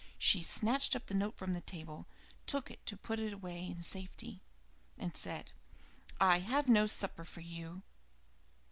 She snatched up the note from the table, took it to put away in safety, and said: "I have no supper for you.